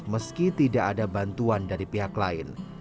meski tidak ada bantuan dari pihak lain